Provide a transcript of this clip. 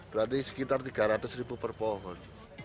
berarti sekitar tiga ratus ribu per pohon